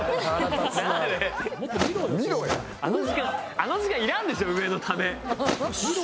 あの時間いらんでしょ上のため。